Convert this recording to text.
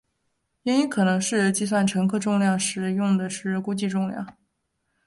原因可能是计算乘客重量时用的是估计重量。